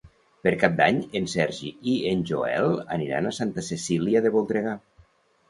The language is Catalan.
Per Cap d'Any en Sergi i en Joel aniran a Santa Cecília de Voltregà.